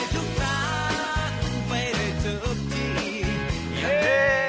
สุดยอดเลยครับทุกคน